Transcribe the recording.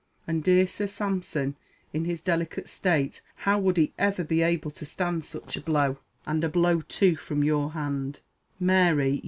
And dear Sir Sampson, in his delicate state, how would he ever be able to stand such a blow! and a blow, too, from your hand, Mary!